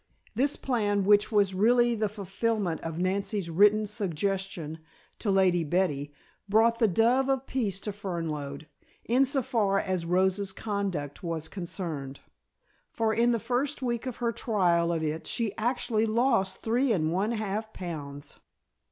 This plan, which was really the fulfillment of Nancy's written suggestion to Lady Betty, brought the dove of peace to Fernlode, in so far as Rosa's conduct was concerned. For in the first week of her trial of it she actually lost three and one half pounds.